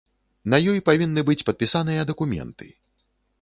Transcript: На ёй павінны быць падпісаныя дакументы.